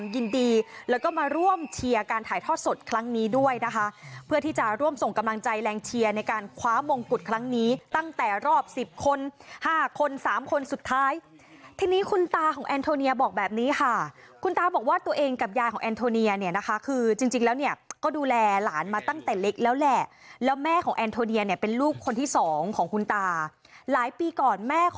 ยินดีแล้วก็มาร่วมเชียร์การถ่ายทอดสดครั้งนี้ด้วยนะคะเพื่อที่จะร่วมส่งกำลังใจแรงเชียร์ในการคว้ามงกุฎครั้งนี้ตั้งแต่รอบสิบคนห้าคนสามคนสุดท้ายทีนี้คุณตาของแอนโทเนียบอกแบบนี้ค่ะคุณตาบอกว่าตัวเองกับยายของแอนโทเนียเนี่ยนะคะคือจริงจริงแล้วเนี่ยก็ดูแลหลานมาตั้งแต่เล็กแล้วแหละแล้